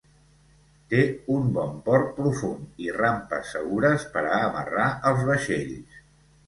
Té un bon port profund i rampes segures per a amarrar els vaixells.